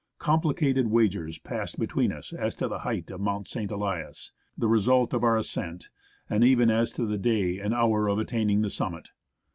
Complicated wagers passed between us as to the height of Mount St. Elias, the result of our ascent, and even as to the day and hour of attaining the summit.